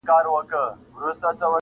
• پاچا سر سلامت د یوه سوال که اجازت وي,